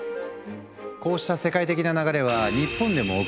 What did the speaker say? こうした世界的な流れは日本でも起きていて。